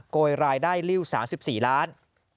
โกยรายได้ริ้ว๓๔ล้าน